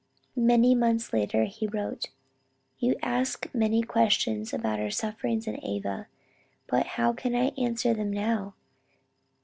Many months later he wrote; "You ask many questions about our sufferings at Ava, but how can I answer them now?